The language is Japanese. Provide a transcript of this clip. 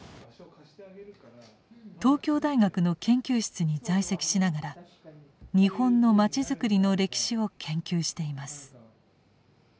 東京大学の研究室に在籍しながら日本のまちづくりの歴史を研究しています。